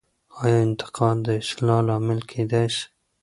آیا انتقاد د اصلاح لامل کیدای سي؟